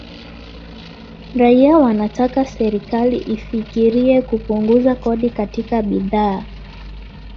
raia wanataka serikali ifikirie kupunguza kodi katika bidhaa